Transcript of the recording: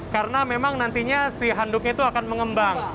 karena memang nantinya si handuknya itu akan mengembang